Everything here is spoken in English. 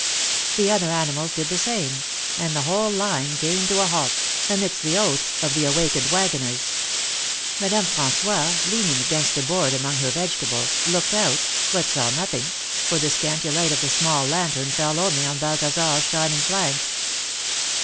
The other animals did the same, and the whole line came to a halt, amid the oaths of the awakened wagoners. Madame Fran9ois, leaning against a board among her vegetables, looked out, but saw nothing, for the scanty light of the small lantern fell only on Balthasar^s shining flanks.